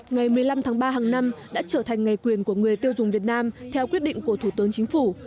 ngày một mươi năm tháng ba hàng năm đã trở thành ngày quyền của người tiêu dùng việt nam theo quyết định của thủ tướng chính phủ